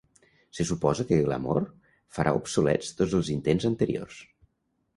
Se suposa que Glamor farà obsolets tots els intents anteriors.